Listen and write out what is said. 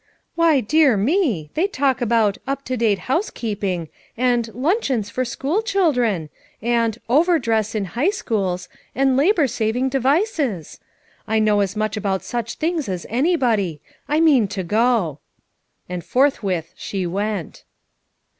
"Why, dear me I they talk about ' Up to date Housekeeping/ and 'Luncheons for School Children,' and ' Over Dress in High Schools' and 'Labor Saving Devices'! I know as much about such things as anybody. I mean to go." And forthwith she went.